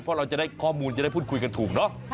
เพราะข้อมูลจะได้พูดคุยถูกเนาะ